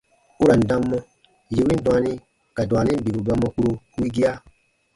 U ra n dam mɔ : yè win dwaani ka dwaanin bibu ba mɔ kpuro wigia.